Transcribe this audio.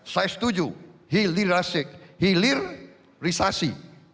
saya setuju hilirisasi